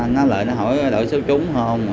nó lời hỏi đổi vé số trúng không